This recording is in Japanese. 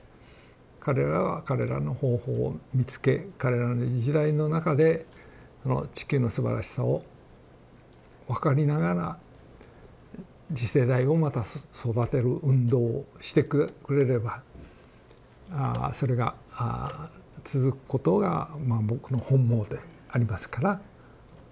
彼らは彼らの方法を見つけ彼らの時代の中であの地球のすばらしさを分かりながら次世代をまた育てる運動をしてくれればそれが続くことが僕の本望でありますから。